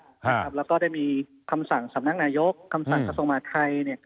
แล้วก็ได้มีคำสั่งสำนักนายกคำสั่งกระทรวงมหาทัย